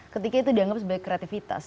ketika itu dianggap sebagai kreativitas